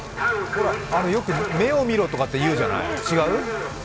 よく目を見ろとか言うじゃない、違う？